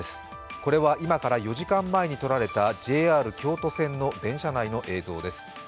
これは今から４時間前に撮られたＪＲ京都線の電車内の映像です。